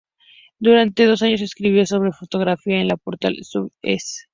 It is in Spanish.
Durante dos años escribió sobre fotografía en el portal Soitu.es.